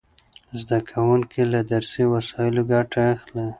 زده کوونکي له درسي وسایلو ګټه اخلي.